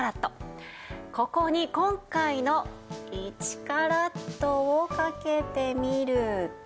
ここに今回の１カラットをかけてみると。